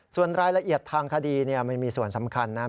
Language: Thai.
ส่วนรายละเอียดทางคดีมันมีส่วนสำคัญนะครับ